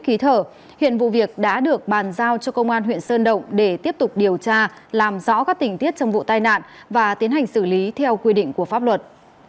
tài xế hà huy điệp đã bàn giao cho công an huyện sơn động để tiếp tục điều tra làm rõ các tình tiết trong vụ tai nạn và tiến hành xử lý theo quy định của pháp luật